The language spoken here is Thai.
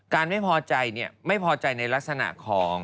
การไม่พอใจเนี่ยไม่พอใจในลักษณะของ